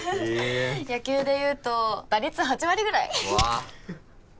野球でいうと打率８割ぐらい？